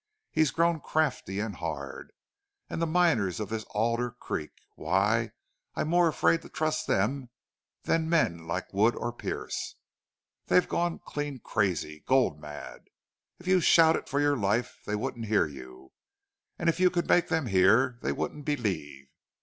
He's grown crafty and hard. And the miners of this Alder Creek! Why, I'm more afraid to trust them than men like Wood or Pearce. They've gone clean crazy. Gold mad! If you shouted for your life they wouldn't hear you. And if you could make them hear they wouldn't believe.